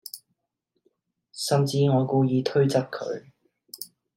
甚至我故意推側佢